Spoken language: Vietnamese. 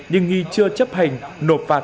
nhưng nghì chưa chấp hành nộp phạt